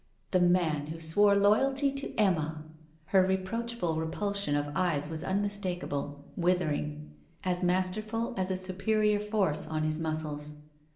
'The man who swore loyalty to Emma!' Her reproachful repulsion of eyes was unmistakeable, withering; as masterful as a superior force on his muscles.